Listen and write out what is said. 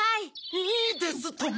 いいですとも。